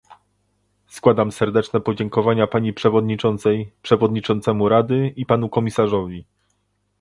Składam serdeczne podziękowania pani przewodniczącej, przewodniczącemu Rady i panu komisarzowi